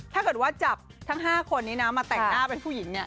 ถ้าเกิดว่าจับทั้ง๕คนนี้นะมาแต่งหน้าเป็นผู้หญิงเนี่ย